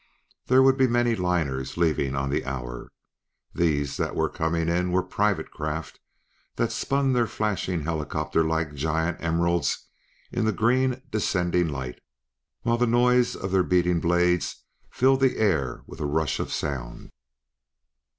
There would be many liners leaving on the hour; these that were coming in were private craft that spun their flashing helicopters like giant emeralds in the green descending light, while the noise of their beating blades filled the air with a rush of sound.